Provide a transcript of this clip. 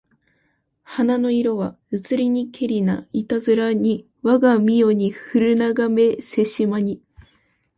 花の色はうつりにけりないたづらにわが身世にふるながめせしまに